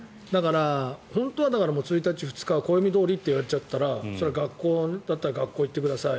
本当は１日、２日は暦どおりと言われたら学校だったら学校に行ってください